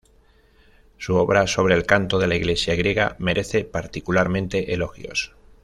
Su obra sobre el canto de la Iglesia griega merece particularmente elogios.